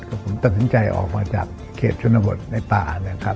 ก็ผมตัดสินใจออกมาจากเขตชนบทในป่านะครับ